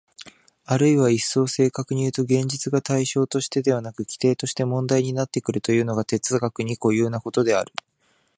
あるいは一層正確にいうと、現実が対象としてでなく基底として問題になってくるというのが哲学に固有なことである。